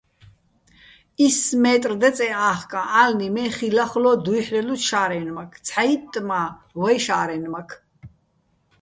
ისს მეტრ დეწე́ ა́ხკაჼ ა́ლნი, მე ხი ლახლო́ დუ́ჲჰ̦რელოჩო̆ შა́რენმაქ, ცჰ̦აიტტ მა - ვეჲ შა́რენმაქ.